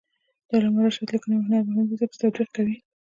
د علامه رشاد لیکنی هنر مهم دی ځکه چې تطبیق کوي.